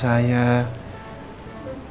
sekarang aku mau pergi ke rumah ya